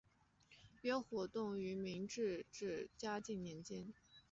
约活动于明弘治至嘉靖年间。